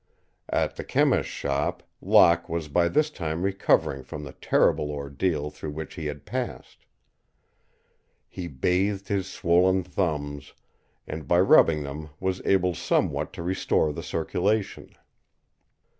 At the chemist's shop Locke was by this time recovering from the terrible ordeal through which he had passed. He bathed his swollen thumbs, and by rubbing them was able somewhat to restore the circulation.